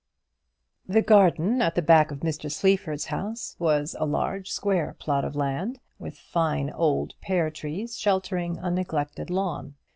The garden at the back of Mr. Sleaford's house was a large square plot of ground, with fine old pear trees sheltering a neglected lawn.